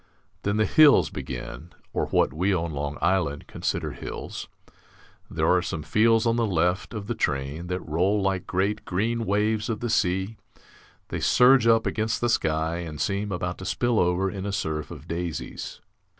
Then the hills begin, or what we on Long Island consider hills. There are some fields on the left of the train that roll like great green waves of the sea; they surge up against the sky and seem about to spill over in a surf of daisies.